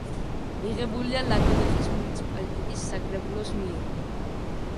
მიღებულია ლაგოდეხის მუნიციპალიტეტის საკრებულოს მიერ.